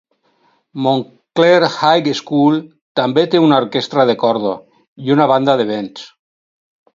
Montclair High School també té una orquestra de corda i una banda de vents.